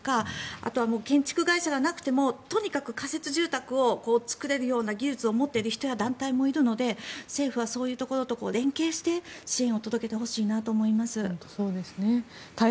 あとは建築会社がなくても仮設住宅を作れるような技術を持っている人や団体もいるので政府はそういうところ連携して支援を届けてほしいなと思います。